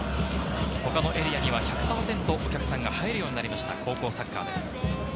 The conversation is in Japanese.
他のエリアには１００％お客さんが入るようになりました、高校サッカーです。